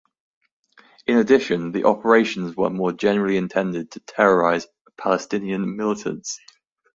In addition, the operations were more generally intended to terrorize Palestinian militants.